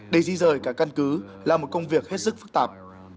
để di rời cả căn cứ là một công việc hết sức phức tạp